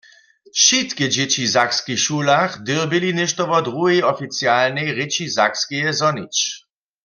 Wšitke dźěći w sakskich šulach dyrbjeli něšto wo druhej oficialnej rěči Sakskeje zhonić.